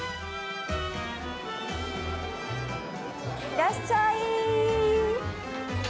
いらっしゃい。